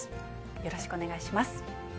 よろしくお願いします。